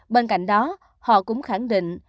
bên cạnh đó họ cũng khẳng định